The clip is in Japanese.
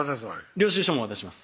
領収書も渡します